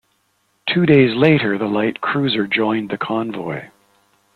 Two days later the light cruiser joined the convoy.